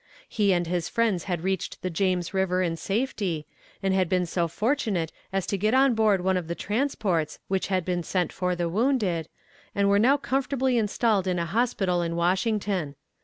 He and his friends had reached the James river in safety, and had been so fortunate as to get on board of one of the transports which had been sent for the wounded, and were now comfortably installed in a hospital in Washington.